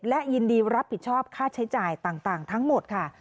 และยินดีรับผิดชอบค่าใช้จ่ายต่างทั้งหมดค่ะ